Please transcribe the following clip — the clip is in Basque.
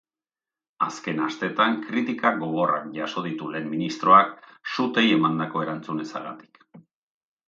Azken asteetan kritika gogorrak jaso ditu lehen ministroak, suteei emandako erantzun ezagatik.